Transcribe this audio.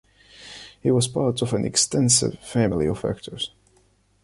He was part of an extensive family of actors.